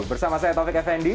bersama saya taufik effendi